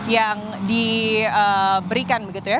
yang diberikan begitu ya